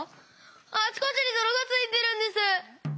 あちこちにどろがついてるんです。